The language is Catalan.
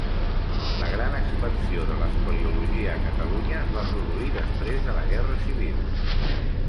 La gran expansió de l'espeleologia a Catalunya es va produir després de la Guerra Civil.